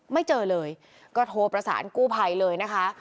ไม่เจอเลยก็โทรประสานกู้ภัยเลยนะคะ